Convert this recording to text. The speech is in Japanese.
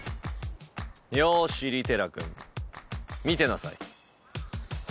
よし利寺君見てなさい。